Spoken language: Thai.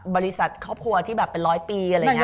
บริษัทครอบครัวที่แบบเป็นร้อยปีอะไรอย่างนี้